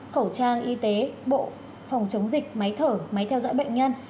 khẩu trang y tế bộ phòng chống dịch máy thở máy theo dõi bệnh nhân